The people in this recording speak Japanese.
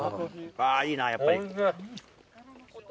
あぁいいなやっぱり。